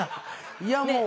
いやもう。